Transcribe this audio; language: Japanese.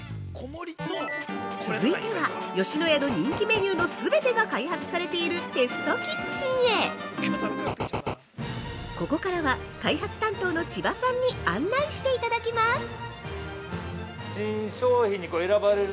続いては、吉野家の人気メニューの全てが開発されているテストキッチンへここからは開発担当の千葉さんに案内していただきます。